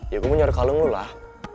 ya gue mau nyuruh kalung lu lah